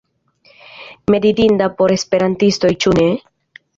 Meditinda por esperantistoj, ĉu ne?